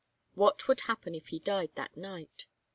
What would happen if he died that night?